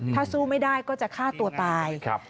ถ้าสู้ไม่ได้ก็จะฆ่าตัวตาย